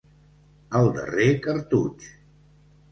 El darrer cartutx.